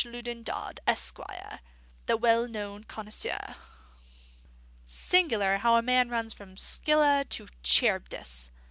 Loudon Dodd, Esq., the well known connoisseur.'" Singular how a man runs from Scylla to Charybdis!